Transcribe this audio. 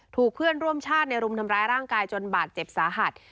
ถูกเพื่อนร่วมชาติในรุมทำร้ายร่างกายจนบาดเจ็บสาหัส